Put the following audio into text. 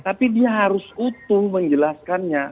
tapi dia harus utuh menjelaskannya